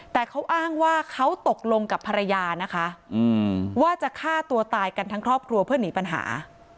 แต่เขาอ้างว่าเขาตกลงกับภรรยานะคะว่าจะฆ่าตัวตายกันทั้งครอบครัวเพื่อหนีปัญหา